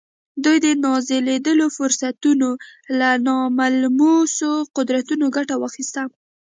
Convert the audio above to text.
دوی د نازېږېدلو فرصتونو له ناملموسو قدرتونو ګټه واخيسته.